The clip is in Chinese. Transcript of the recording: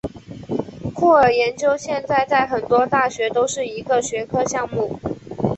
酷儿研究现在在很多大学都是一个学科项目。